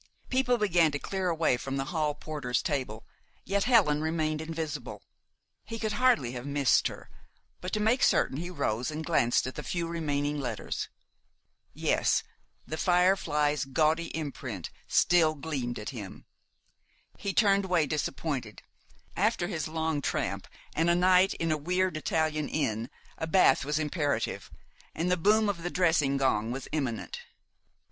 People began to clear away from the hall porter's table; yet Helen remained invisible. He could hardly have missed her; but to make certain he rose and glanced at the few remaining letters. Yes, "The Firefly's" gaudy imprint still gleamed at him. He turned way, disappointed. After his long tramp and a night in a weird Italian inn, a bath was imperative, and the boom of the dressing gong was imminent.